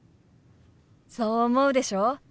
そう思うでしょ？